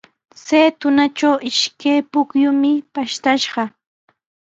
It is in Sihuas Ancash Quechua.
Chay tunatraw ishkay pukyumi pashtashqa.